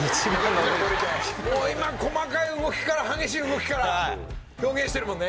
細かい動きから激しい動きから表現してるもんね。